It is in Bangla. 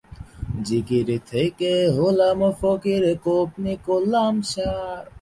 এককালে বানিয়াচং ছিল বৃহত্তর সিলেট তথা আসাম ও বঙ্গদেশের খেলাধুলার এক উল্লেখযোগ্য পীঠস্থান।